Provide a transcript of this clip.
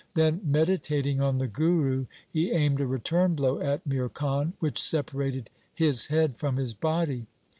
Then meditating on the Guru he aimed a return blow at Mir Khan which separated his head from his body.